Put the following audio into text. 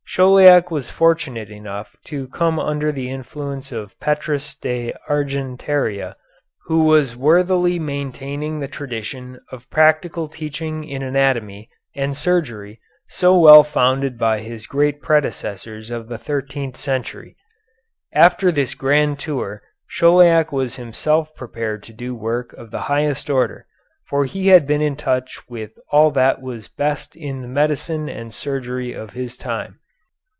Chauliac was fortunate enough to come under the influence of Petrus de Argentaria, who was worthily maintaining the tradition of practical teaching in anatomy and surgery so well founded by his great predecessors of the thirteenth century. After this grand tour Chauliac was himself prepared to do work of the highest order, for he had been in touch with all that was best in the medicine and surgery of his time.